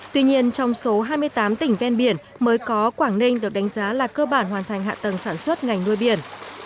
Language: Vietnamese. tuy nhiên trong số hai mươi tám tỉnh ven biển mới có quảng ninh được đánh giá là cơ bản hoàn thành hạ tầng sản xuất ngành nuôi biển